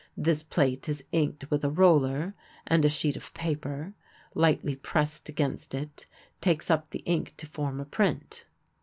This plate is inked with a roller, and a sheet of paper, lightly pressed against it, takes up the ink to form a print.